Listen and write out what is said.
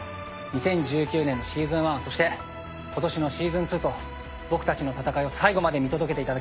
２０１９年のシーズン１そして今年のシーズン２と僕たちの闘いを最後まで見届けていただき